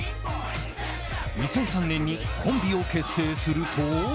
２００３年にコンビを結成すると。